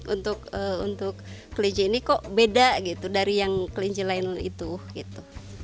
untuk kelinci ini kok beda gitu dari yang kelinci lain itu gitu